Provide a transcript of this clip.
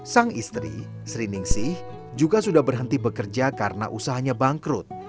sang istri sri ningsih juga sudah berhenti bekerja karena usahanya bangkrut